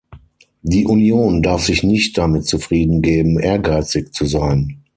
Die Union darf sich nicht damit zufrieden geben, ehrgeizig zu sein.